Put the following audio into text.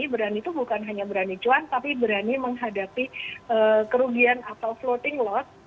berani itu bukan hanya berani cuan tapi berani menghadapi kerugian atau floating loss